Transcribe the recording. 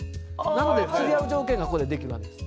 なので釣り合う条件がここで出来る訳です。